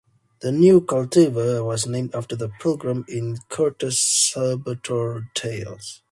The new cultivar was named after the pilgrims in Chaucer’s Canterbury Tales.